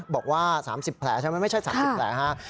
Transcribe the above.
บอกว่า๓๐แผลใช่ไหมไม่ใช่๓๐แผลฮะ